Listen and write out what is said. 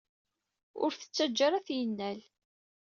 Ur t-ttaǧǧa ara ad t-yennal.